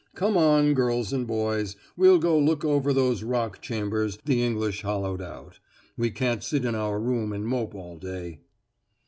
"Come on, girls and boys, we'll go look over those Rock Chambers the English hollowed out. We can't sit in our room and mope all day."